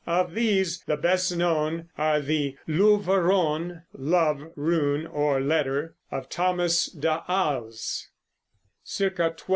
Of these, the best known are the "Luve Ron" (love rune or letter) of Thomas de Hales (c.